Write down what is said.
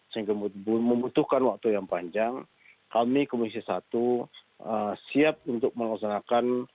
sehingga membutuhkan waktu yang panjang kami komisi satu siap untuk melaksanakan